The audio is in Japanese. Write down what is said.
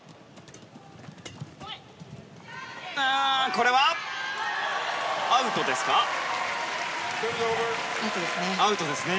これは、アウトですか。